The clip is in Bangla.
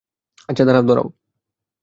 আচ্ছা, দাঁড়াও, দাঁড়াও।